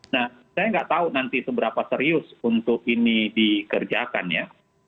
nah saya nggak tahu nanti seberapa serius untuk ini dikerjakan ya